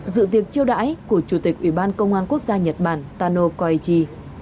dự tiệc chiêu đãi của chủ tịch ủy ban công an quốc gia nhật bản tano koichi